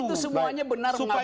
itu semuanya benar ngabalit